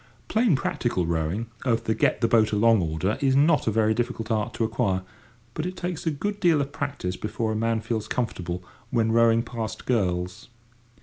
Plain practical rowing of the get the boat along order is not a very difficult art to acquire, but it takes a good deal of practice before a man feels comfortable, when rowing past girls.